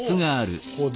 ここで。